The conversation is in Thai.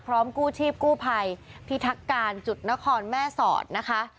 กู้ชีพกู้ภัยพิทักการจุดนครแม่สอดนะคะ